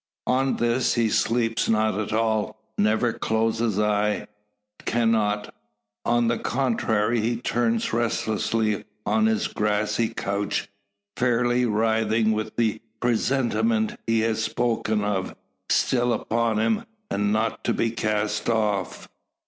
On this he sleeps not at all never closes eye cannot. On the contrary, he turns restlessly on his grassy couch, fairly writhing with the presentiment he has spoken of, still upon him, and not to be cast off.